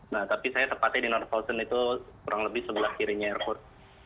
nah tapi saya tepatnya di norvoson itu kurang lebih sebelah kirinya airport